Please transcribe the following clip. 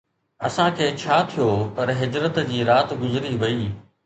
اسان کي ڇا ٿيو پر هجرت جي رات گذري وئي